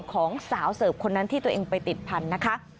ของสาวเสิร์ฟคนนั้นที่ตัวเองไปติดพันธุ์นะคะ